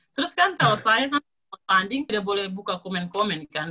terus kan kalau saya kan bertanding tidak boleh buka komen komen kan